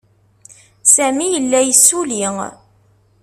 Sami yella yessulli.